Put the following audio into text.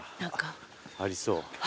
ありそう。